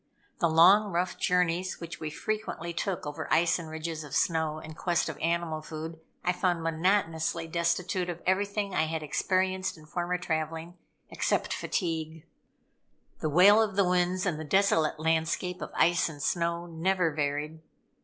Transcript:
The long, rough journeys which we frequently took over ice and ridges of snow in quest of animal food, I found monotonously destitute of everything I had experienced in former traveling, except fatigue. The wail of the winds, and the desolate landscape of ice and snow, never varied.